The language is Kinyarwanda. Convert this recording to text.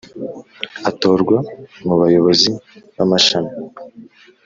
Atorwa mu bayobozi b amashami